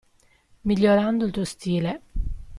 Migliorando il tuo stile.